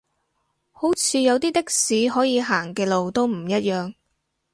好似有啲的士可以行嘅路都唔一樣